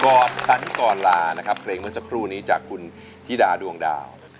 สันกรลานะครับเพลงเมื่อสักครู่นี้จากคุณธิดาดวงดาว